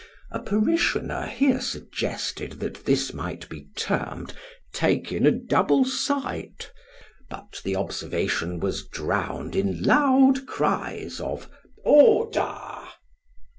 (A parishioner here suggested that this might be termed " taking a double sight," but the observation was drowned in loud cries of " Order